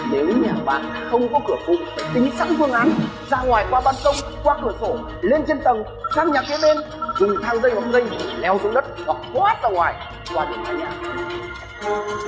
nếu nhà bạn không có cửa phụ phải tính sẵn phương án ra ngoài qua ban sông qua cửa sổ lên trên tầng sang nhà kia bên cùng thang dây hoặc dây leo xuống đất hoặc quát ra ngoài qua đường thái nhạc